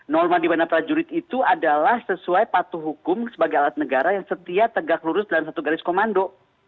norma di mana prajurit itu adalah sesuai patuh hukum sebagai alat negara yang setia tegak lurus dalam satu garis komando